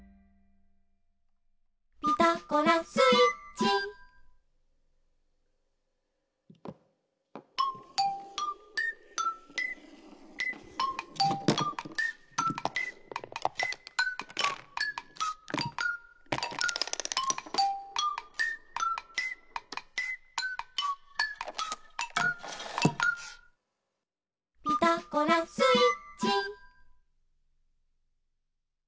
「ピタゴラスイッチ」「ピタゴラスイッチ」